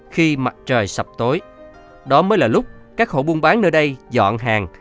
khi mặt trời sập tối đó mới là lúc các hộ buôn bán nơi đây dọn hàng